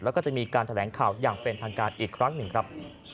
แล้วก็จะมีการแถลงข่าวอย่างเป็นทางการอีกครั้งหนึ่งครับ